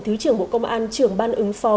thứ trưởng bộ công an trưởng ban ứng phò